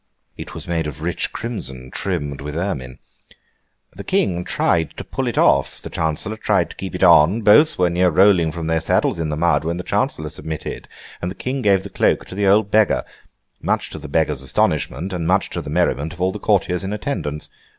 It was made of rich crimson trimmed with ermine. The King tried to pull it off, the Chancellor tried to keep it on, both were near rolling from their saddles in the mud, when the Chancellor submitted, and the King gave the cloak to the old beggar: much to the beggar's astonishment, and much to the merriment of all the courtiers in attendance.